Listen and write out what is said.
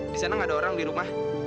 di sana nggak ada orang di rumah